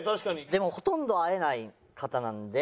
でもほとんど会えない方なんで。